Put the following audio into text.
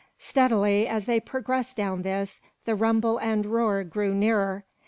Steadily, as they progressed down this, the rumble and roar grew nearer.